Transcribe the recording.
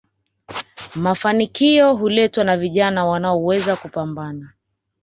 mafanikio huletwa na vijana wanaoweza kupambana